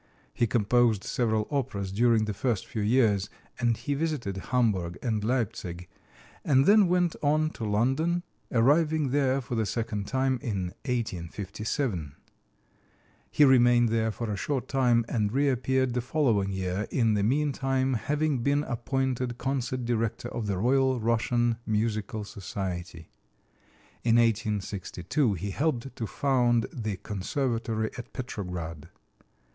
He composed several operas during the next few years; and he visited Hamburg and Leipzig and then went on to London, arriving there for the second time in 1857. He remained there for a short time and reappeared the following year, in the meantime having been appointed concert director of the Royal Russian Musical Society. In 1862 he helped to found the Conservatory at Petrograd.